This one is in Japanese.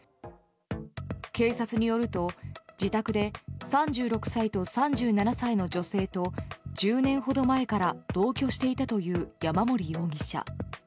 警察によると自宅で３６歳と３７歳の女性と１０年ほど前から同居していたという山森容疑者。